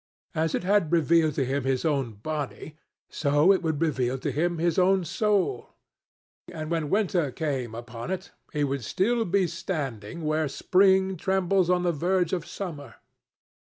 As it had revealed to him his own body, so it would reveal to him his own soul. And when winter came upon it, he would still be standing where spring trembles on the verge of summer.